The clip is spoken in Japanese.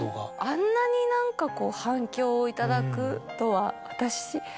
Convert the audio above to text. あんなに何かこう反響を頂くとは私。